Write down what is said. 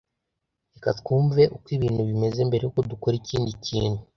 Reka twumve uko ibintu bimeze mbere yuko dukora ikindi kintu.